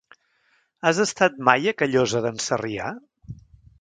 Has estat mai a Callosa d'en Sarrià?